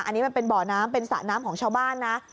อันนี้มันเป็นบ่อน้ำเป็นสระน้ำของชาวบ้านนะ